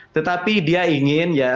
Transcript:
tetapi dia ingin ya